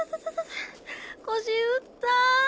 腰打った！